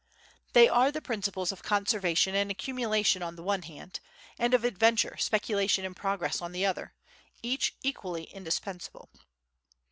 They are the principles of conservation and accumulation on the one hand, and of adventure, speculation and progress on the other, each equally indispensable.